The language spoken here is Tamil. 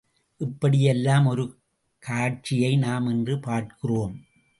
இப்படியெல்லாம் ஒரு காட்சியை நாம் இன்று பார்க்கிறோம்.